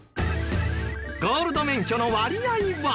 ゴールド免許の割合は。